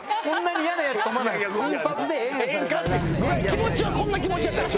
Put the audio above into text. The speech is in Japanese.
気持ちはこんな気持ちやから。